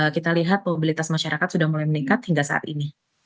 kita lihat mobilitas masyarakat sudah mulai meningkat hingga saat ini